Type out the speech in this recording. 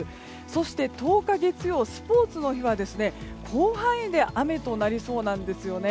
そして、１０日月曜スポーツの日は広範囲で雨となりそうなんです。